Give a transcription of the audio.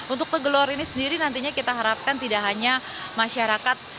untuk pegelar ini sendiri nantinya kita harapkan tidak hanya masyarakat